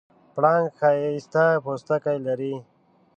پړانګ ښایسته پوستکی لري.